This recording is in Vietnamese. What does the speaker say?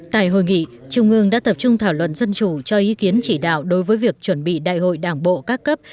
tại hội nghị trung ương đã tập trung thảo luận dân chủ cho ý kiến chỉ đạo đối với việc chuẩn bị đại hội đảng bộ các cấp